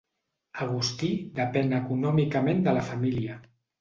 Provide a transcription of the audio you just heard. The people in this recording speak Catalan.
Agustí depèn econòmicament de la família.